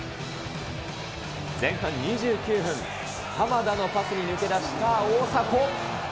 前半２９分、鎌田のパスに抜け出した大迫。